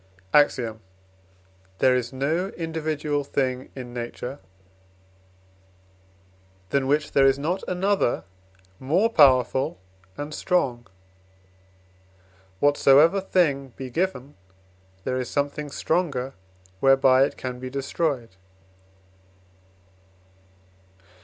AXIOM. There is no individual thing in nature, than which there is not another more powerful and strong. Whatsoever thing be given, there is something stronger whereby it can be destroyed.